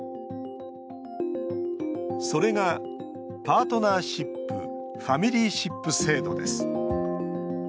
それが、パートナーシップ・ファミリーシップ制度です。